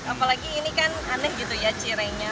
apalagi ini kan aneh gitu ya cirengnya